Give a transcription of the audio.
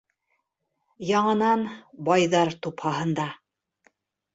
Яңынан байҙар тупһаһында